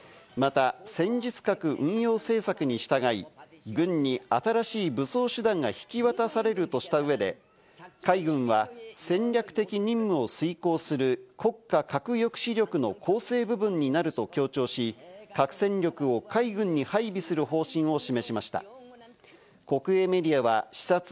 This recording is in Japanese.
また、戦術核運用政策に従い、軍に新しい武装手段が引き渡されるとした上で海軍は戦略的任務を遂行する国家核抑止力の構成部分になると強調し、核戦力を海軍に配備する方針を示しました。